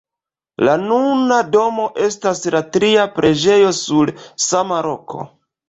La nuna domo estas la tria preĝejo sur sama loko.